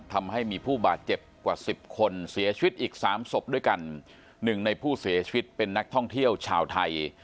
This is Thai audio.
ทำให้มีผู้บาดเจ็บกว่าสิบคนเสียชีวิตอีกสามศพด้วยกันหนึ่งในผู้เสียชีวิตเป็นนักท่องเที่ยวชาวไทย